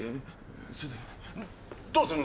それでどうするんだ？